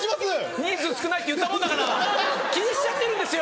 人数少ないって言ったもんだから気にしちゃってるんですよ。